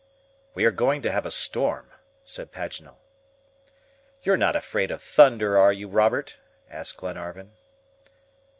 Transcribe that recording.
"We are going to have a storm," said Paganel. "You're not afraid of thunder, are you, Robert?" asked Glenarvan.